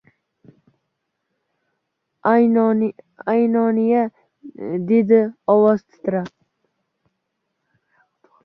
— Aynoniya! — dedi ovozi titrab.